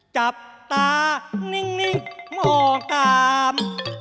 จับตานิ่งมองกาม